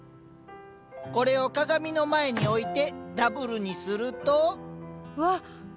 これを鏡の前に置いてダブルにすると。